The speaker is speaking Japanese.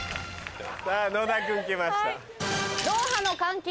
さぁ野田君来ました。